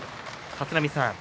立浪さん